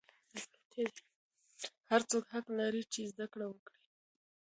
هر څوک حق لري چې زده کړې وکړي.